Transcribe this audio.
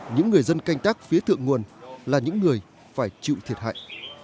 những người dân canh tác phía thượng nguồn là những người phải chịu thiệt hại